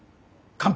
乾杯！